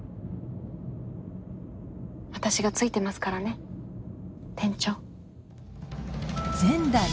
私がついてますからね店長。